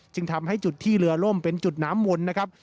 จึงทำให้จุดที่เรือล่มเป็นจุดน้ำวนนะครับ